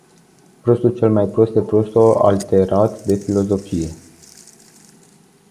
Prostul cel mai prost e prostul alterat de filosofie.